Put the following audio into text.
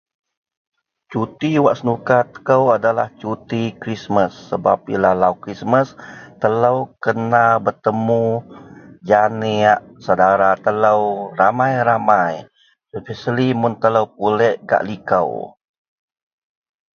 Suti wak senuka kou adalah suti Krismas. Sebab bila lau Krismas telou kena petemu janeak, sedara telou ramai-ramai spesiali mun telou pulik gak likou.